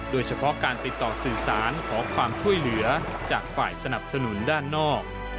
โดยเฉพาะการติดต่อสื่อสารขอความช่วยเหลือจากฝ่ายสนับสนุนด้านนอก